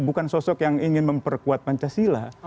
bukan sosok yang ingin memperkuat pancasila